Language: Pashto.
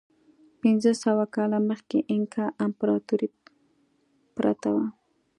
پنځه سوه کاله مخکې اینکا امپراتورۍ پرته وه.